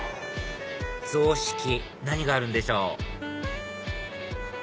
雑色何があるんでしょう